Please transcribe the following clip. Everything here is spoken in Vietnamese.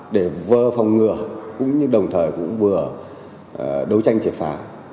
để vừa phòng ngừa cũng như đồng thời cũng vừa đấu tranh triệt phá